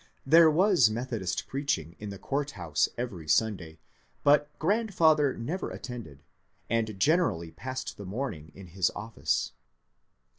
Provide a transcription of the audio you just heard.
There was Methodist preaching in the court house every Sunday, but grandfather never attended, and generally passed the morning in his office.